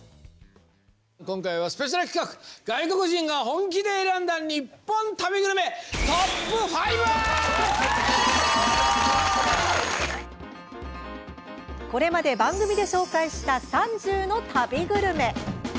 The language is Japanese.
今回はスペシャル企画外国人が本気で選んだこれまで番組で紹介した３０の旅グルメ。